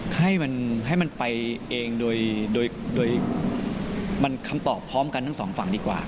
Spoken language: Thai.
ให้มันให้มันไปเองโดยมันคำตอบพร้อมกันทั้งสองฝั่งดีกว่า